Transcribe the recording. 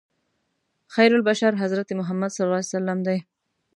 خیرالبشر حضرت محمد صلی الله علیه وسلم دی.